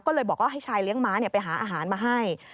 ก็เลยบอกว่าให้ชายเลี้ยงม้าไปหาอาหารมาให้